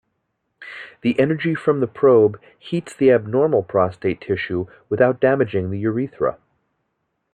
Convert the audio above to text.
The energy from the probe heats the abnormal prostate tissue without damaging the urethra.